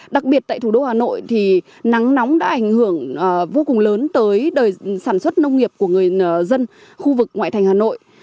đặc biệt tại thủ đô hà nội thì nắng nóng đã ảnh hưởng vô cùng lớn tới đời sản xuất nông nghiệp của người dân khu vực ngoại thành hà nội